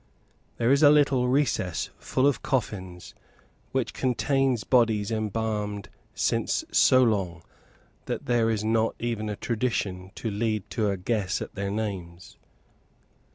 There is a little recess full of coffins, which contains bodies embalmed long since so long, that there is not even a tradition to lead to a guess at their names.